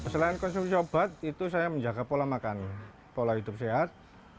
selain konsumsi obat itu saya menjaga pola makan pola hidup sehat